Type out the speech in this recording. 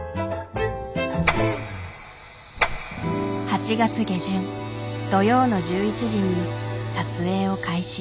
８月下旬土曜の１１時に撮影を開始。